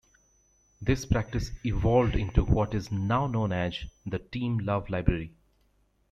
This practice evolved into what is now known as The Team Love Library.